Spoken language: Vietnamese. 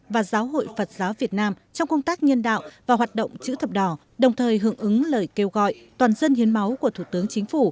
và giáo hội phật giáo việt nam trong công tác nhân đạo và hoạt động chữ thập đỏ đồng thời hưởng ứng lời kêu gọi toàn dân hiến máu của thủ tướng chính phủ